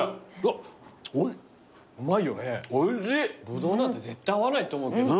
ブドウなんて絶対合わないと思うけど。